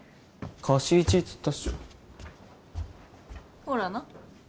「貸しイチ」っつったっしょほらな